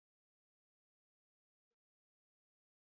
Kinga ya matabibu kwa wanyama ambao wamewekwa katika mazingira mapya